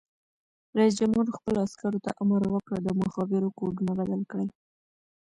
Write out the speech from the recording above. رئیس جمهور خپلو عسکرو ته امر وکړ؛ د مخابرو کوډونه بدل کړئ!